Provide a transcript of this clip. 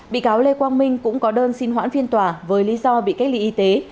bị cáo lê quang minh cũng có đơn xin hoãn phiên tòa với lý do bị cách ly y tế